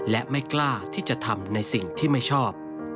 และไม่กล้าที่จะทำในสิ่งที่ไม่ชอบ